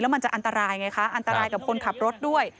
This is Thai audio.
มันจะอันตรายไงคะอันตรายกับคนขับรถด้วย